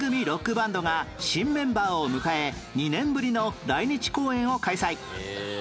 ロックバンドが新メンバーを迎え２年ぶりの来日公演を開催